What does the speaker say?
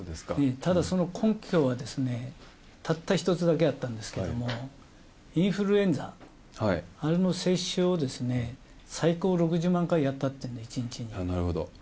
ただ、その根拠はたった一つだけだったんですけれども、インフルエンザ、あれの接種を最高６０万回やったと、なるほど。